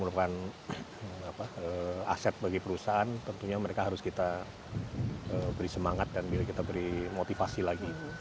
dan karena sdm itu merupakan aset bagi perusahaan tentunya mereka harus kita beri semangat dan biar kita beri motivasi lagi